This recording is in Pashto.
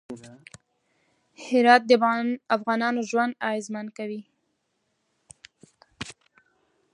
هرات د افغانانو ژوند اغېزمن کوي.